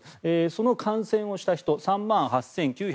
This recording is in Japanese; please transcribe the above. その感染をした人３万８９２６人。